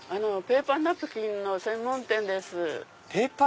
ペーパーナプキンの専門店⁉